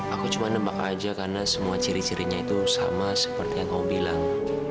aku cuma nebak aja karena semua ciri cirinya itu sama seperti yang kamu bilang